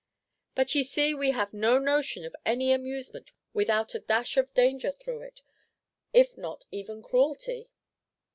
But ye see we have no notion of any amusement without a dash of danger through it, if not even cruelty!"